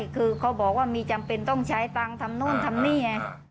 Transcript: คือเขาบอกว่ามีจำเป็นต้องใช้ตังค์ทำนู่นทำนี่ไง